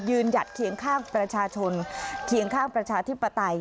หยัดเคียงข้างประชาชนเคียงข้างประชาธิปไตย